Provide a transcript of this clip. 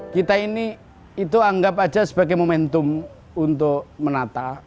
kita ini itu anggap aja sebagai momentum untuk menata